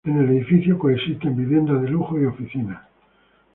En el edificio coexisten viviendas de lujo y oficinas.